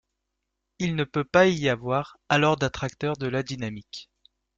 il ne peut pas y avoir alors d'attracteurs de la dynamique